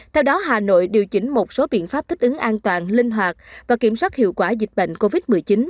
theo đó hà nội điều chỉnh một số biện pháp thích ứng an toàn linh hoạt và kiểm soát hiệu quả dịch bệnh covid một mươi chín